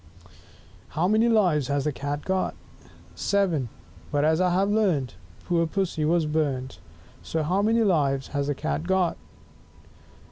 5 How many Lives has the Cat got? SEVEN! But, as I have learnt, Poor Pussy was burnt. So how many Lives has the Cat got?